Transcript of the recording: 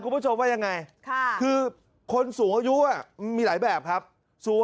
คุณผู้ชมว่ายังไงคือคนสูงอายุมีหลายแบบครับสูง